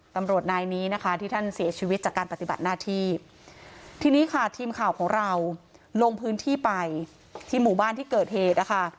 ตำรวจนายนี้นะคะที่ท่านเสียชีวิตจากการปฏิบัติหน้าที่ทีนี้ค่ะทีมข่าวของเราลงพื้นที่ไปที่หมู่บ้านที่เกิดเหตุนะคะ